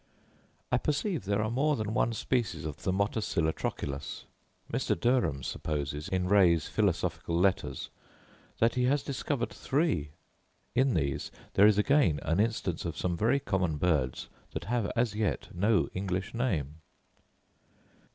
I perceive there are more than one species of the motacilla trochilus: Mr. Derham supposes, in Ray's Philos. Letters, that he has discovered three. In these there is again an instance of some very common birds that have as yet no English name.